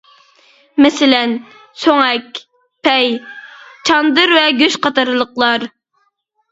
مەسىلەن: سۆڭەك، پەي، چاندىر ۋە گۆش قاتارلىقلار.